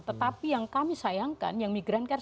tetapi yang kami sayangkan yang migran care